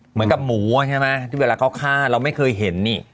เหมือนกับหมูใช่ไหมที่เวลาเขาฆ่าเราไม่เคยเห็นนี่